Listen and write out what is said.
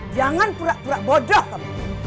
jangan pura pura bodoh kamu